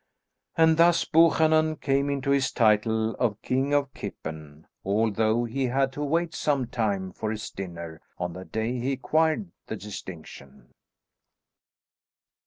And thus Buchanan came into his title of King of Kippen, although he had to wait some time for his dinner on the day he acquired the distinction.